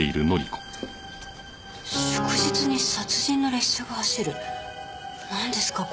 「祝日に殺人の列車が走る」なんですか？